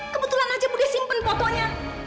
kebetulan aja udah simpen fotonya